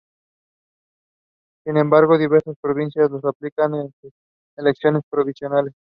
Sin embargo, diversas provincias lo aplican en sus elecciones provinciales.